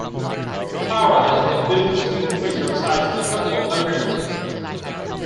Tara has the ability to increase her size to a couple of hundred feet.